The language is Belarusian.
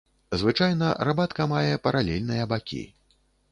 Звычайна рабатка мае паралельныя бакі.